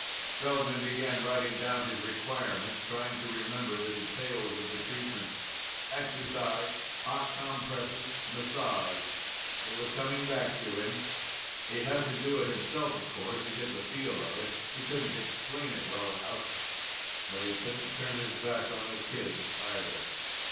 Feldman began writing down his requirements, trying to remember the details of the treatment. Exercise, hot compresses, massage. It was coming back to him. He'd have to do it himself, of course, to get the feel of it. He couldn't explain it well enough. But he couldn't turn his back on the kids, either.